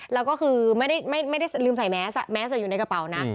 แล้วก็คือไม่ได้ลืมใส่แมสแมสอยู่ในกระเป๋านะ